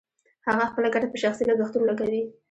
هغه خپله ګټه په شخصي لګښتونو لګوي